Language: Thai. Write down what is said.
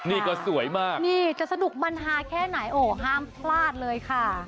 นี่ก็สวยมากนี่จะสนุกมันฮาแค่ไหนโอ้ห้ามพลาดเลยค่ะ